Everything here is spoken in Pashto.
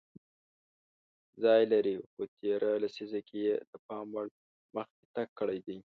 ځای لري خو تېره لیسزه کې یې د پام وړ مخکې تګ کړی دی